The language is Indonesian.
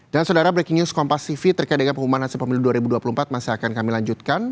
dan saudara breaking news kompas tv terkait dengan pengumuman hasil pemilu dua ribu dua puluh empat masih akan kami lanjutkan